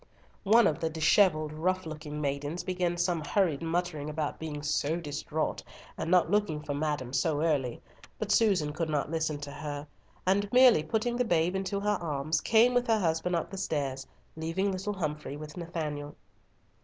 One of the dishevelled rough looking maidens began some hurried muttering about being so distraught, and not looking for madam so early, but Susan could not listen to her, and merely putting the babe into her arms, came with her husband up the stairs, leaving little Humfrey with Nathanael.